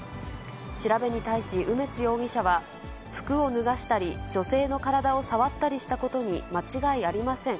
調べに対し梅津容疑者は、服を脱がしたり、女性の体を触ったりしたことに、間違いありません。